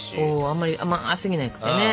あんまり甘すぎなくてね。